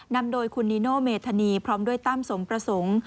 นำโดยคุณนิโนเมธานีพร้อมด้วยตั้มสมประสงค์